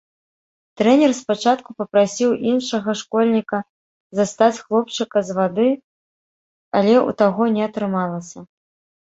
Трэнер спачатку папрасіў іншага школьніка застаць хлопчыка з вады, але ў таго не атрымалася.